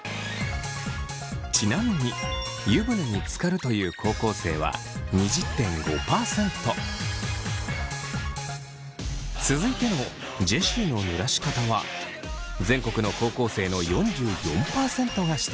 ちなみに湯船につかるという高校生は続いてのジェシーのぬらし方は全国の高校生の４４％がしているやり方です。